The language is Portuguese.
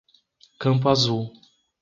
Campo Azul